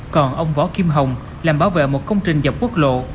còn ông võ kim hồng làm bảo vệ một công trình dọc quốc lộ